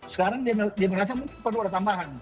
sekarang dia merasa mungkin perlu ada tambahan